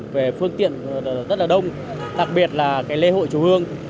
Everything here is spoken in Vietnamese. về phương tiện rất là đông đặc biệt là lễ hội chùa hương